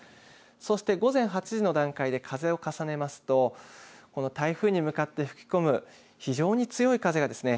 そして午前８時の段階で風を重ねますとこの台風に向かって吹き込む非常に強い風がですね